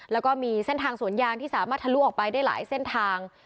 แล้วก็มีเส้นทางสวนยางที่สามารถทะลุออกไปได้หลายเส้นทาง